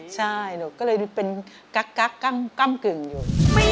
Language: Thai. ใช่ก็เลยเป็นกักกั้มกึ่งอยู่